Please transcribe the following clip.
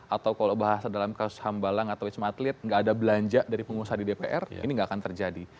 atau kalau bahasa dalam kasus hambalang atau wisma atlet nggak ada belanja dari pengusaha di dpr ini nggak akan terjadi